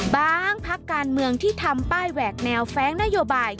พักการเมืองที่ทำป้ายแหวกแนวแฟ้งนโยบาย